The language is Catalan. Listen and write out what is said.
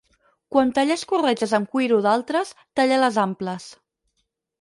Quan talles corretges amb cuiro d'altres, talla-les amples.